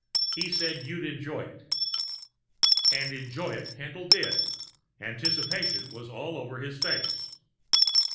He said you'd enjoy it." And enjoy it Haendl did anticipation was all over his face.